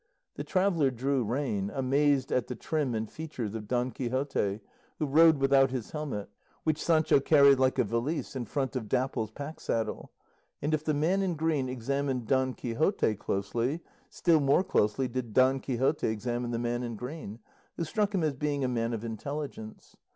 The traveller drew rein, amazed at the trim and features of Don Quixote, who rode without his helmet, which Sancho carried like a valise in front of Dapple's pack saddle; and if the man in green examined Don Quixote closely, still more closely did Don Quixote examine the man in green, who struck him as being a man of intelligence.